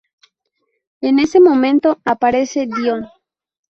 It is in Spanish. En ese momento aparece Dion.